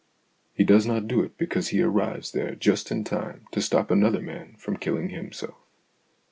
He does not do it because he arrives there just in time to stop another man from killing himself.